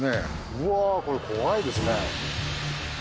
うわこれ怖いですね。